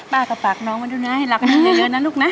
ป้าก็ฝากน้องมาด้วยนะให้รักกันอยู่เยอะนะลูกนะ